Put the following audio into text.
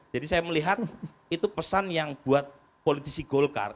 jadi saya melihat itu pesan yang buat politisi golkar